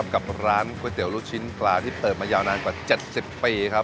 กับร้านก๋วยเตี๋ยวลูกชิ้นปลาที่เปิดมายาวนานกว่า๗๐ปีครับ